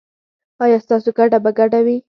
ایا ستاسو ګټه به ګډه وي؟